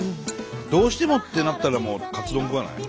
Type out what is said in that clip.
どうしてもってなったらもうカツ丼食わない？